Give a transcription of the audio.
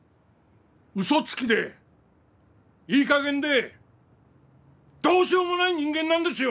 嘘つきでいい加減でどうしようもない人間なんですよ！